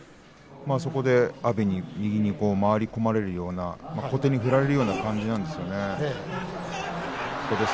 そこで阿炎に右に回り込まれるような小手に振られるような感じなんですよね。